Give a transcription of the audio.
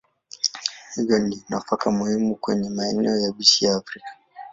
Hivyo ni nafaka muhimu kwenye maeneo yabisi ya Afrika.